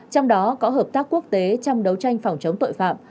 trong đó có hợp tác quốc tế trong đấu tranh phòng chống tội phạm